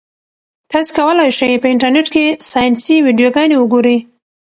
تاسي کولای شئ په انټرنيټ کې ساینسي ویډیوګانې وګورئ.